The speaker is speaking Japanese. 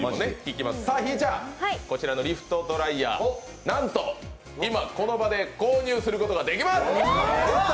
ひぃちゃん、こちらのリフトドライヤー、なんとこの場で購入することができます。